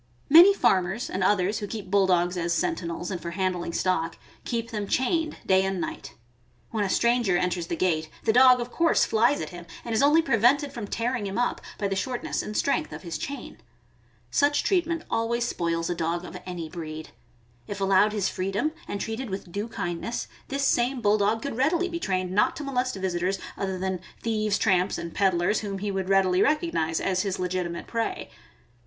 Many farmers and others who keep Bulldogs as senti nels and for handling stock, keep them chained day and night. When a stranger enters the gate, the dog of course ^ flies at him, and is only prevented from tearing him up by the shortness and strength of his chain. Such treatment always spoils a dog of any breed. If allowed his freedom and treated with due kindness, this same Bulldog could readily be trained not to molest visitors, other than thieves, tramps, and peddlers, whom he would readily recog nize as his legitimate prey.